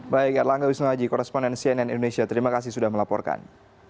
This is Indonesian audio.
baik erlangga wisnuhaji koresponden cnn indonesia terima kasih sudah melaporkan